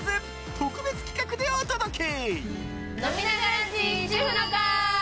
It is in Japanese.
特別企画でお届け。